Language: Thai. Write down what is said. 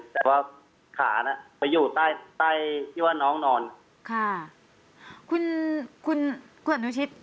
แต่ว่าขาน่ะไปอยู่ใต้ใต้ที่ว่าน้องนอนค่ะคุณคุณอนุชิต